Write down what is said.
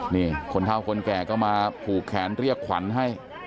นี่คนเท่าคนแก่ก็มาผูกแขนเรียกขวัญให้